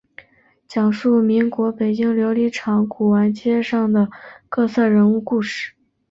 讲述民国北京琉璃厂古玩街上的各色人物故事。